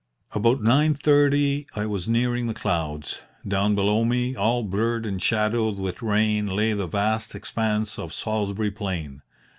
"About nine thirty I was nearing the clouds. Down below me, all blurred and shadowed with rain, lay the vast expanse of Salisbury Plain.